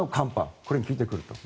これに聞いてくると。